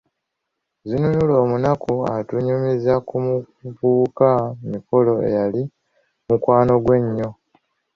Zinunula omunaku atunyumiza ku muvubuka Mikolo eyali mukwano ggwe ennyo.